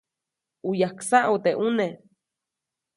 ʼU yajksaʼu teʼ ʼune.